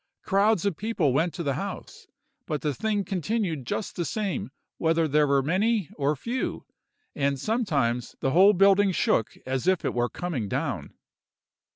Crowds of people went to the house; but the thing continued just the same whether there were many or few, and sometimes the whole building shook as if it were coming down.